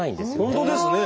本当ですね。